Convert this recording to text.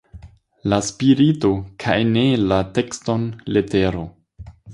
La spirito kaj ne la tekston letero!